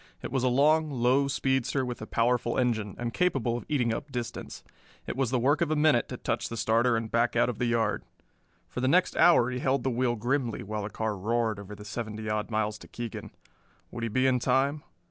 It was a long, low speedster with a powerful engine, and capable of eating up distance. It was the work of a minute to touch the starter and back out of the yard. For the next hour he held the wheel grimly while the car roared over the seventy odd miles to Keegan. Would he be in time?